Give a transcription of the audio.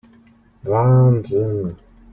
Wahnsinn!